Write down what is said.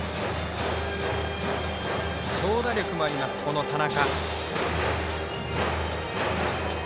長打力もあります、田中。